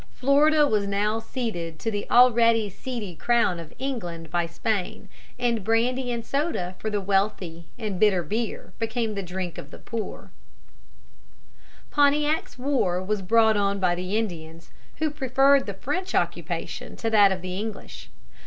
Florida was now ceded to the already cedy crown of England by Spain, and brandy and soda for the wealthy and bitter beer became the drink of the poor. [Illustration: REMAINED BY IT TILL DEATH.] Pontiac's War was brought on by the Indians, who preferred the French occupation to that of the English.